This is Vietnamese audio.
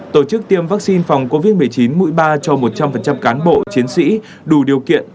tổ chức tiêm vaccine phòng covid một mươi chín mũi ba cho một trăm linh cán bộ chiến sĩ đủ điều kiện